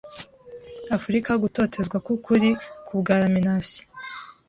Afrika Gutotezwa kwukuri Kubwa lamination